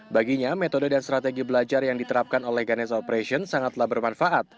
baginya metode dan strategi belajar yang diterapkan oleh ganesa operation sangatlah bermanfaat